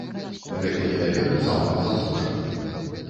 Гэты недавер цалкам заслужаны.